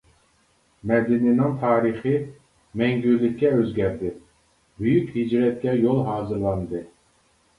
مەدىنىنىڭ تارىخى مەڭگۈلۈككە ئۆزگەردى، بۈيۈك ھىجرەتكە يول ھازىرلاندى.